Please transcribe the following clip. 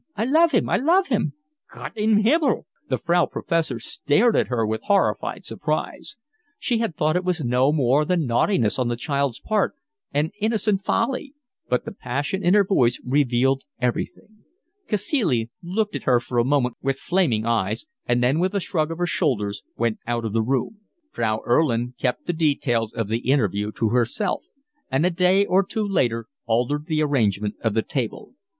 I love him. I love him." "Gott im Himmel!" The Frau Professor stared at her with horrified surprise; she had thought it was no more than naughtiness on the child's part, and innocent, folly. but the passion in her voice revealed everything. Cacilie looked at her for a moment with flaming eyes, and then with a shrug of her shoulders went out of the room. Frau Erlin kept the details of the interview to herself, and a day or two later altered the arrangement of the table.